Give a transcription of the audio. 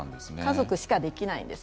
家族しかできないです。